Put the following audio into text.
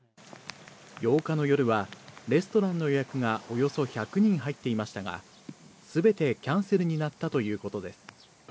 ８日の夜は、レストランの予約がおよそ１００人入っていましたが、すべてキャンセルになったということです。